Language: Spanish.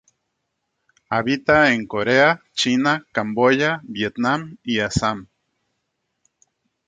Habita en Corea, China, Camboya, Vietnam y Assam.